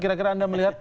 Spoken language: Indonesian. kira kira anda melihat